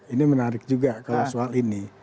ini menarik juga kalau soal ini